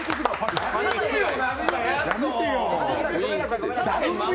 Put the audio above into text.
やめてよ。